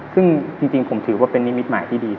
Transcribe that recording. ซึ่งจริงผมถือว่าเป็นนิมิตหมายที่ดี